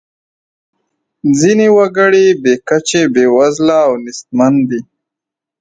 ځینې وګړي بې کچې بیوزله او نیستمن دي.